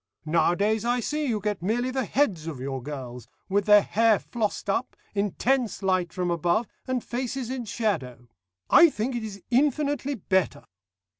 Nowadays, I see, you get merely the heads of your girls, with their hair flossed up, intense light from above, and faces in shadow. I think it is infinitely better.